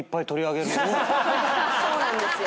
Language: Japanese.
そうなんですよ。